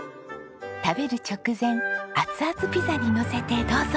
食べる直前熱々ピザにのせてどうぞ！